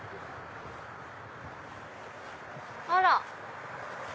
あら！